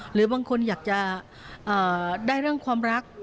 หรือบางคนอยากจะได้เรื่องความรัก